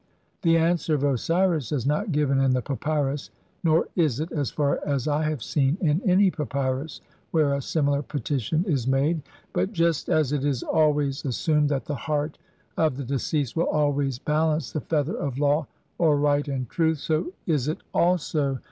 The answer of Osiris is not given in the papyrus, nor is it, as far as I have seen, in any papyrus where a similar petition is made ; but just as it is always as sumed that the heart of the deceased will always ba lance the feather of law or right and truth, so is it also THE JUDGMENT OF THE DEAD.